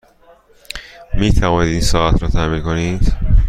می توانید این ساعت را تعمیر کنید؟